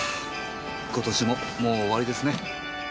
今年ももう終わりですね。